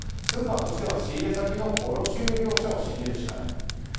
スーパーとしては仕入れ先の卸売業者を信じるしかない。